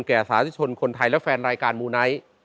สาธุชนคนไทยและแฟนรายการมูไนท์